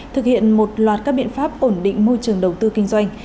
thực hiện một loạt các biện pháp ổn định môi trường đầu tư kinh doanh